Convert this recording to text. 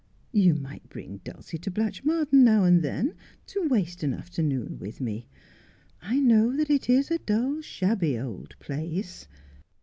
You might bring Dulcie to Blatchmardean now and then to waste an after noon with you. I know that it is a dull, shabby old place.'